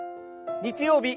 日曜日